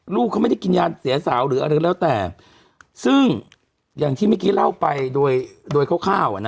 ลูกเขาไม่ได้กินยาเสียสาวหรืออะไรแล้วแต่ซึ่งอย่างที่เมื่อกี้เล่าไปโดยโดยคร่าวอ่ะนะ